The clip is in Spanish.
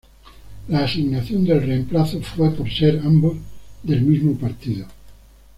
La asignación del reemplazo fue por ser ambos del mismo partido.